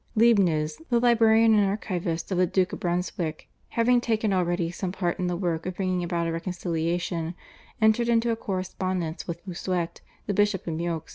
Leibniz, the librarian and archivist of the Duke of Brunswick, having taken already some part in the work of bringing about a reconciliation, entered into a correspondence with Bossuet, the Bishop of Meaux.